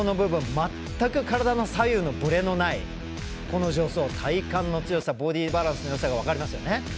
全く体の左右のぶれのないこの助走、体幹の強さボディーバランスのよさが分かりますよね。